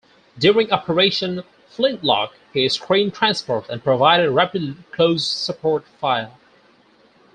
During Operation "Flintlock", she screened transports and provided rapid close support fire.